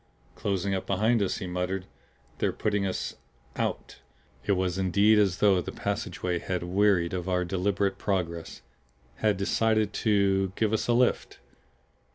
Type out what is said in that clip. "Closing up behind us," he muttered. "They're putting us out." It was, indeed, as though the passageway had wearied of our deliberate progress. Had decided to give us a lift.